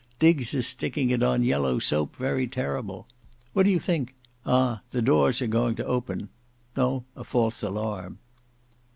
Diggs is sticking it on yellow soap very terrible. What do you think—Ah! the doors are going to open. No—a false alarm."